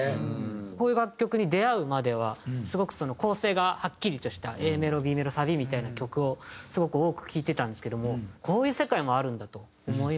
こういう楽曲に出会うまではすごく構成がはっきりとしたＡメロＢメロサビみたいな曲をすごく多く聴いてたんですけどもこういう世界もあるんだと思いまして。